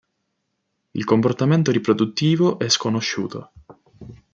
Il comportamento riproduttivo è sconosciuto.